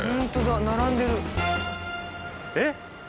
えっ！